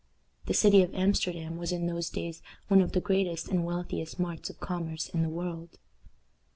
The city of Amsterdam was in those days one of the greatest and wealthiest marts of commerce in the world.